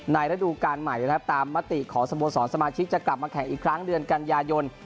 ระดูการใหม่นะครับตามมติของสโมสรสมาชิกจะกลับมาแข่งอีกครั้งเดือนกันยายน